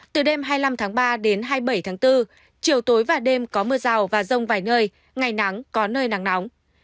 từ đêm hai mươi năm tháng ba đến hai mươi bảy tháng bốn chiều tối và đêm có mưa rào và rông vài nơi ngày nắng có nơi nắng nóng